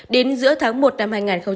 đến giữa tháng một năm hai nghìn hai mươi